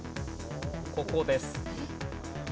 ここです。